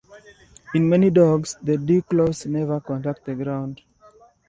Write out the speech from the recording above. In many dogs the dewclaws never contact the ground.